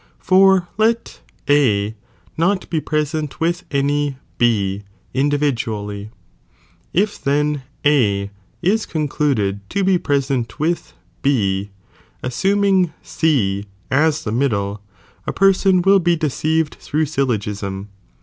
For let A not be present with any B individually, if then A is concluded to be present with B, assuming C as the middle, a. person will be deceived through ayllogism.